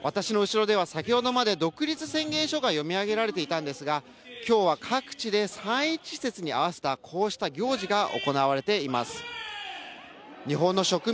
私の後ろでは先ほどまで独立宣言書が読み上げられていたんですが、今日は各地で三一節に合わせてこうした行事が行われています。